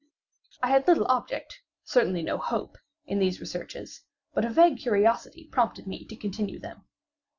I had little object—certainly no hope—in these researches; but a vague curiosity prompted me to continue them.